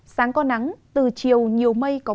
sáng có nắng từ chiều nhiều mây có mưa